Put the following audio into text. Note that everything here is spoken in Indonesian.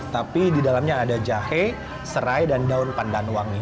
tapi di dalamnya ada jahe serai dan daun pandan wangi